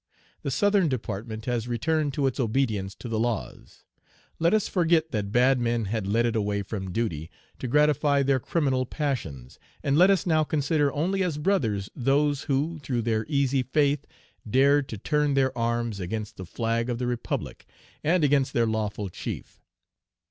The Southern Department has returned to its obedience to the laws. Let us forget that bad men had led it away from duty to gratify their criminal passions, and let us now consider only as brothers those who, through their easy faith, dared to turn their arms against the flag of the Republic, and against their lawful chief.